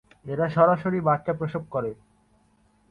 এরা সরাসরি বাচ্চা প্রসব করে।